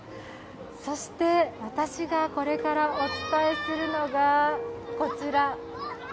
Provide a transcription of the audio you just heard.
そして私がこれからお伝えするのが、こちら。